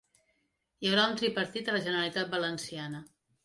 Hi haurà un tripartit a la Generalitat Valenciana